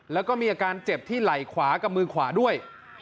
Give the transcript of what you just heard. แล้วก็มีอาการเจ็บที่ไหล่ขวากับมือขวาด้วย